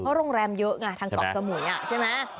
โรงแรมเยอะไงทางเกาะสมุยใช่ไหม